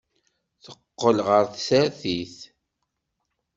Teqqel ɣer tsertit.